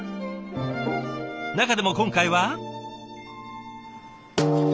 中でも今回は。